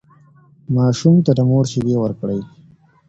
ماشوم ته د مور شیدې ورکړئ.